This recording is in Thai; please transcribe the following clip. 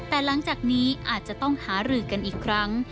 แต่หลังจากนี้อาจจะต้องหารือกันอีกครั้ง